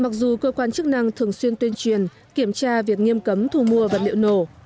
mặc dù cơ quan chức năng thường xuyên tuyên truyền kiểm tra việc nghiêm cấm thu mua vật liệu nổ